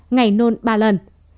ngày nôn ba lần